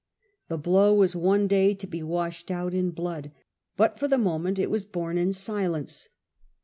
The blow was one day to be washed out in blood, but for the moment it was borne in silence.